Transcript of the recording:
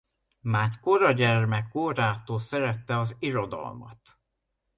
Már kora gyermekkorától szerette az irodalmat.